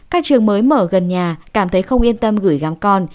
các trường mới mở gần nhà cảm thấy không yên tâm gửi gắm con